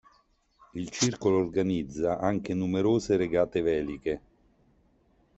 Il Circolo organizza anche numerose regate veliche.